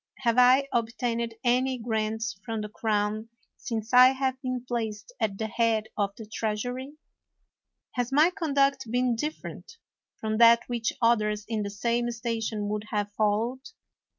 Have I obtained any grants from the crown since I have been placed at the head of the treasury? Has my conduct been different from that which others in the same station would have followed?